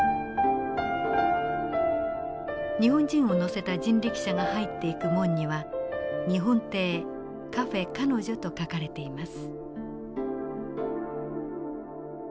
日本人を乗せた人力車が入っていく門には「日本亭」「カフェー彼ノ女」と書かれています。